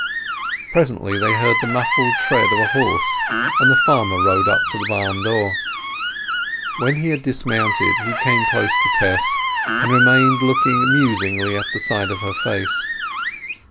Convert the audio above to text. Presently they heard the muffled tread of a horse, and the farmer rode up to the barndoor. When he had dismounted he came close to Tess, and remained looking musingly at the side of her face.